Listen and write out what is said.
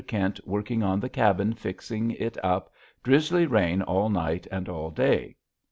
Kint Working on the Cabbin fixing at up. Drisly rain all night and all day.